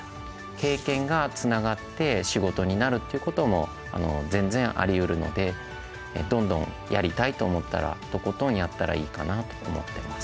経験がつながって仕事になるっていうことも全然ありうるのでどんどんやりたいと思ったらとことんやったらいいかなと思ってます。